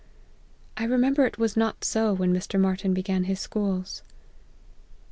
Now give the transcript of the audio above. I re member it was not so when Mr. Martyn began his schools."